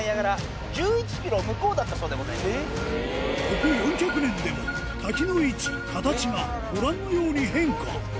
ここ４００年でも滝の位置形がご覧のように変化